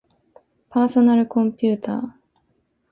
パーソナルコンピューター